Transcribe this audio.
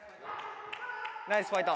ナイスファイト。